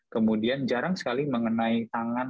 kemudian jarang sekali mengenai tangan